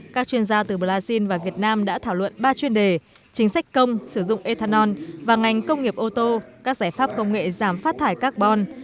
các chuyên gia từ brazil và việt nam đã thảo luận ba chuyên đề chính sách công sử dụng ethanol và ngành công nghiệp ô tô các giải pháp công nghệ giảm phát thải carbon